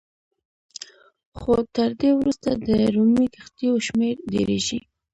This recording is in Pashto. خو تر دې وروسته د رومي کښتیو شمېر ډېرېږي